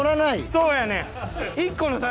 そうやねん。